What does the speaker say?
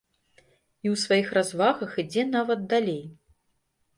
І ў сваіх развагах ідзе нават далей.